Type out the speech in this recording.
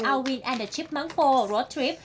อัลวินแอนด์ชิปมังโฟโรดทริป